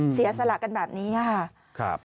เสียสละกันแบบนี้ค่ะ